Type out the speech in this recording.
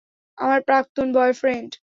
আমার প্রাক্তন বয়ফ্রেন্ড।